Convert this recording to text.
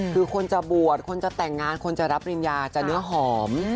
คือคนจะบวชคนจะแต่งงานคนจะรับปริญญาจะเนื้อหอม